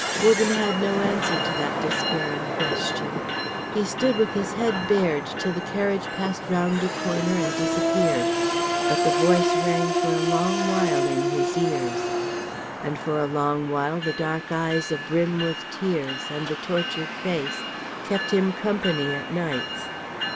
Wogan had no answer to that despairing question. He stood with his head bared till the carriage passed round a corner and disappeared, but the voice rang for a long while in his ears. And for a long while the dark eyes abrim with tears, and the tortured face, kept him company at nights.